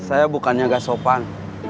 saya bukannya gak sopan